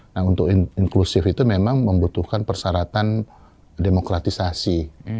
nah untuk inklusif itu memang membutuhkan persyaratan demokratisasi